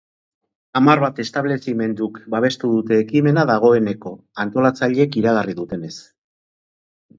Hamar bat establezimenduk babestu dute ekimena dagoeneko, antolatzaileek iragarri dutenez.